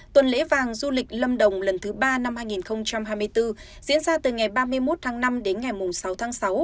tuần lễ vàng du lịch lâm đồng lần thứ ba năm hai nghìn hai mươi bốn diễn ra từ ngày ba mươi một tháng năm đến ngày sáu tháng sáu